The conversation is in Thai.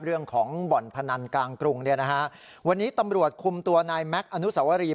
เรื่องของบ่อนพนันกลางกรุงเนี่ยนะฮะวันนี้ตำรวจคุมตัวนายแม็กซ์อนุสวรี